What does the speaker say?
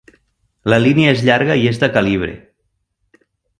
La línia és llarga i és de calibre.